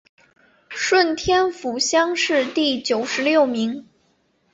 顺天府乡试第九十六名。